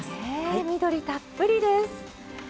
ねえ緑たっぷりです！